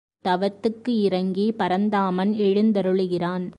தவத்துக்கு இரங்கி, பரந்தாமன் எழுந்தருளுகிறான்.